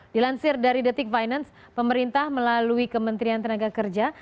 dilansir dari detik finance pemerintah melalui kementerian tenaga kerja